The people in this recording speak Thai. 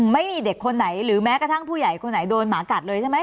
ไม่มีเด็กคนไหนหรือแม้กระทั่งผู้ใหญ่คนไหนโดนหมากัดเลยใช่ไหม